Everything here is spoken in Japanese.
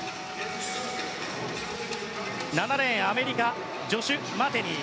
７レーン、アメリカのジョシュ・マテニー。